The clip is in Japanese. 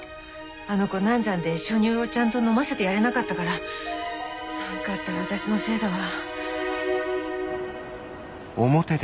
あの子難産で初乳をちゃんと飲ませてやれなかったから何かあったら私のせいだわ。